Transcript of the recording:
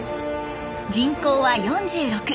人口は４６。